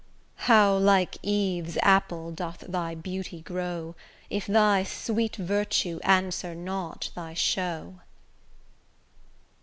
How like Eve's apple doth thy beauty grow, If thy sweet virtue answer not thy show!